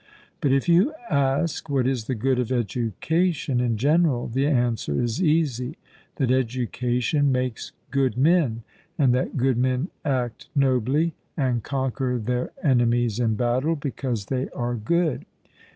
But if you ask what is the good of education in general, the answer is easy that education makes good men, and that good men act nobly, and conquer their enemies in battle, because they are good.